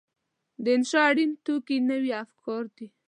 د انشأ اړین توکي نوي افکار دي.